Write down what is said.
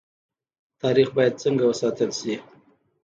تاریخ باید څنګه وساتل شي؟